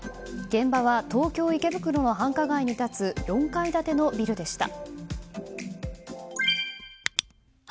現場は東京・池袋の繁華街に立つ４階建てのビルでした。